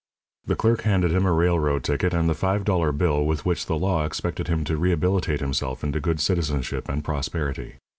The clerk handed him a railroad ticket and the five dollar bill with which the law expected him to rehabilitate himself into good citizenship and prosperity.